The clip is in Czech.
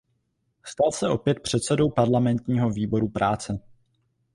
Stal se opět předsedou parlamentního výboru práce.